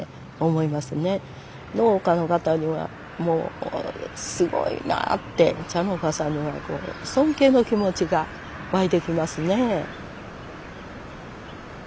農家の方にはもうすごいなあって茶農家さんにはこう尊敬の気持ちが湧いてきますね。